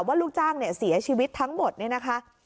ว่าลูกจ้างเสียชีวิตทั้งหมดนะคะ